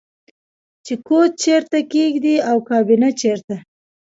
چې کوچ چیرته کیږدئ او کابینه چیرته